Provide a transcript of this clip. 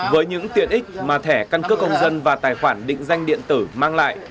với những tiện ích mà thẻ căn cước công dân và tài khoản định danh điện tử mang lại